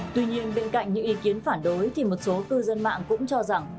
tuy nhiên bên cạnh những ý kiến phản đối thì một số cư dân mạng cũng cho rằng